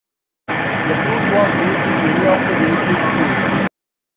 The fruit was used in many of the natives' foods.